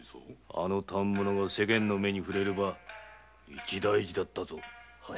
あの反物が世間の目に触れれば一大事だ。